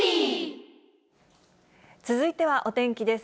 続いてはお天気です。